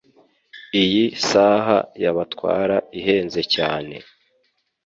Iyi saha yabatwara ihenze cyane.